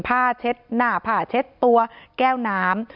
เช็ดหน้าผ้าเช็ดตัวแก้วน้ำ